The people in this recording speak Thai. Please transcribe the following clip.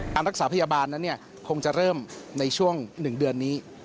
รักษาพยาบาลนั้นคงจะเริ่มในช่วง๑เดือนนี้